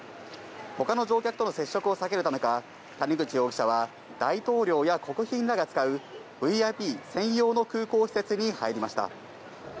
他の乗客との接触を避けるためか、谷口容疑者は大統領や国賓らが使うＶＩＰ専用の空港施設に入りました。